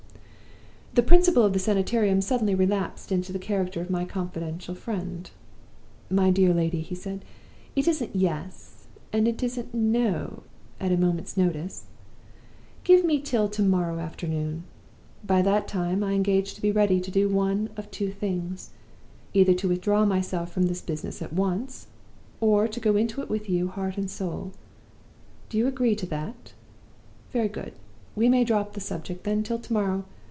"The Principal of the Sanitarium suddenly relapsed into the character of my confidential friend. "'My dear lady,' he said, 'it isn't Yes, and it isn't No, at a moment's notice. Give me till to morrow afternoon. By that time I engage to be ready to do one of two things either to withdraw myself from this business at once, or to go into it with you heart and soul. Do you agree to that? Very good; we may drop the subject, then, till to morrow.